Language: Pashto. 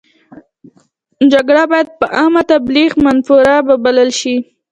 جګړه باید په عامه تبلیغ منفوره وبلل شي.